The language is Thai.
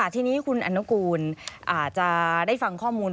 ทีนี้คุณอนุกูลอาจจะได้ฟังข้อมูล